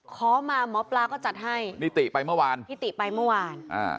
ขอมาหมอปลาก็จัดให้นิติไปเมื่อวานพี่ติไปเมื่อวานอ่า